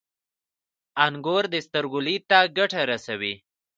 • انګور د سترګو لید ته ګټه رسوي.